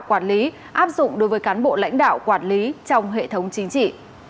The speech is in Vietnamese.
quản lý áp dụng đối với cán bộ lãnh đạo quản lý trong hệ thống chính trị